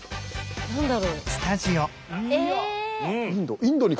何だろう？え。